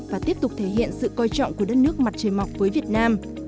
và tiếp tục thể hiện sự coi trọng của đất nước mặt trời mọc với việt nam